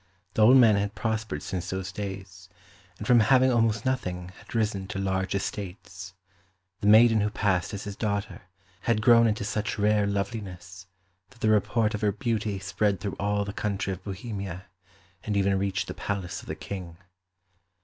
The old man had prospered since those days, and from having almost nothing had risen to large estates. The maiden who passed as his daughter had grown into such rare loveliness that the report of her beauty spread through all the country of Bohemia, and even reached the palace of the King.